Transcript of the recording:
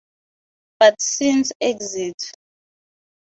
But since Exit...